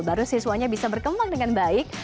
baru siswanya bisa berkembang dengan baik